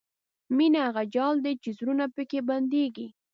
مینه هغه جال دی چې زړونه پکې بندېږي.